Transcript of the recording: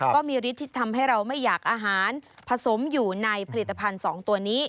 ก็มีฤทธิ์ที่ทำให้เราไม่อยากอาหารผสมอยู่ในผลิตภัณฑ์๒ตัวนี้